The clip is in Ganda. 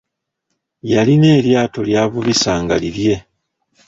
Yalina eryato ly'avubisa nga lilye.